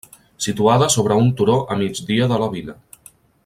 Situada sobre un turó a migdia de la vila.